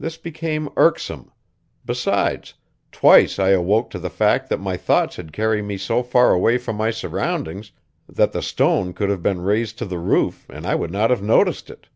This became irksome; besides, twice I awoke to the fact that my thoughts had carried me so far away from my surroundings that the stone could have been raised to the roof and I would not have noticed it.